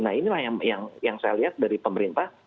nah inilah yang saya lihat dari pemerintah